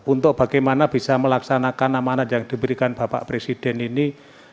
untuk bagaimana bisa melaksanakan amanat yang diberikan bapak presiden ini